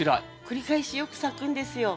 繰り返しよく咲くんですよ。